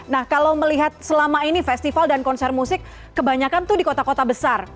nah kalau melihat selama ini festival dan konser musik kebanyakan tuh di kota kota besar